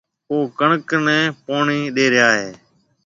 او ڪڻڪ نَي پوڻِي ڏيَ ريا هيَ۔